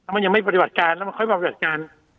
มันยังไม่ปฏิบัติการแล้วมันค่อยปฏิบัติงาน